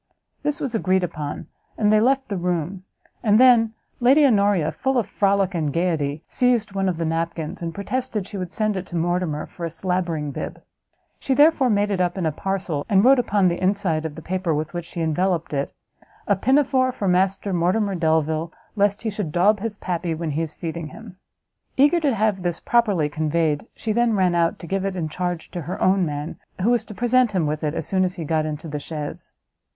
This was agreed upon, and they left the room; and then Lady Honoria, full of frolic and gaiety, seized one of the napkins, and protested she would send it to Mortimer for a slabbering bib; she therefore made it up in a parcel, and wrote upon the inside of the paper with which she enveloped it, "A pin a fore for Master Mortimer Delvile, lest he should daub his pappy when he is feeding him." Eager to have this properly conveyed, she then ran out, to give it in charge to her own man, who was to present him with it as he got into the chaise.